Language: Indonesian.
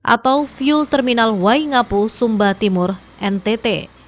atau fuel terminal waingapu sumba timur ntt